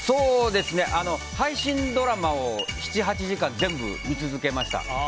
配信ドラマを７８時間全部、見続けました。